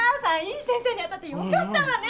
いい先生に当たってよかったわねえ！